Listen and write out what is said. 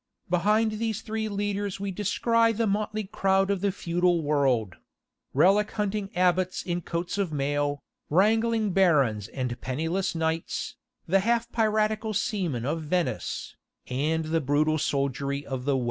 Behind these three leaders we descry the motley crowd of the feudal world; relic hunting abbots in coats of mail, wrangling barons and penniless knights, the half piratical seamen of Venice, and the brutal soldiery of the West.